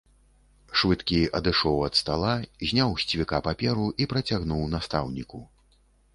Швыдкі адышоў ад стала, зняў з цвіка паперу і працягнуў настаўніку.